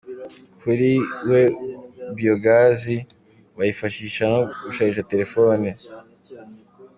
Kuri we Biyogazi bayifashisha no mu gushariza telefoni.